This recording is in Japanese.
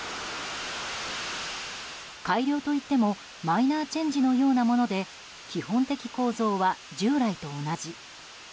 改良といってもマイナーチェンジのようなもので基本的構造は従来と同じ。